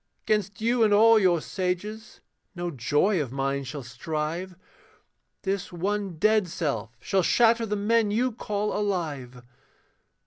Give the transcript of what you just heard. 'Gainst you and all your sages, no joy of mine shall strive, This one dead self shall shatter the men you call alive.